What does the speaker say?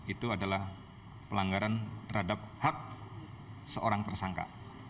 itu adalah pelanggaran terhadap hak seorang tersangka